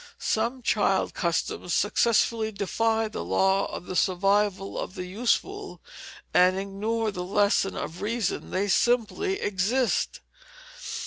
Some child customs successfully defy the law of the survival of the useful, and ignore the lesson of reason; they simply exist.